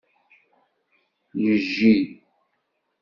Yejji.